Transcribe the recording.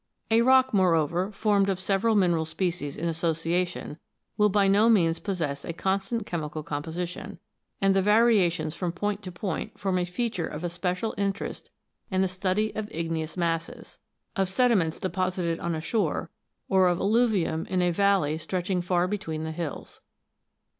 A rock, moreover, formed of several mineral species in association will by no means possess a constant chemical composition, and the variations from point to point form a feature of especial interest in the study of igneous masses, of 8 ROCKS AND THEIR ORIGINS [OH. sediments deposited on a shore, or of alluvium in a valley stretching far between the hills.